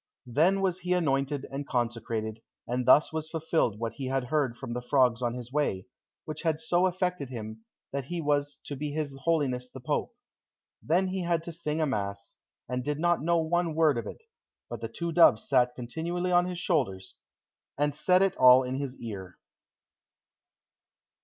Then was he anointed and consecrated, and thus was fulfilled what he had heard from the frogs on his way, which had so affected him, that he was to be his Holiness the Pope. Then he had to sing a mass, and did not know one word of it, but the two doves sat continually on his shoulders, and said it all in his ear.